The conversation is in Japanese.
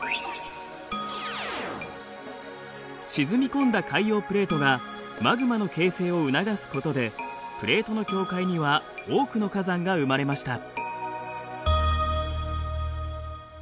沈み込んだ海洋プレートがマグマの形成を促すことでプレートの境界には多くの火山が生まれました。